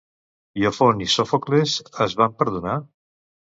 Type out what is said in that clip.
Iofont i Sòfocles es van perdonar?